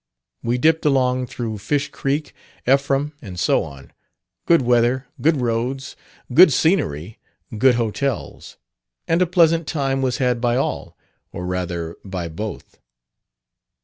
We dipped along through Fish Creek, Ephraim, and so on. Good weather, good roads, good scenery, good hotels; and a pleasant time was had by all or, rather, by both."...